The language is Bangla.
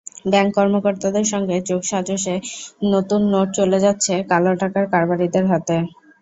ব্যাংক কর্মকর্তাদের সঙ্গে যোগসাজশে নতুন নোট চলে যাচ্ছে কালো টাকার কারবারিদের হাতে।